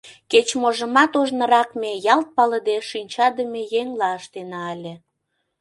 Кеч-можымат ожнырак ме, ялт палыде, шинчадыме еҥла ыштена ыле.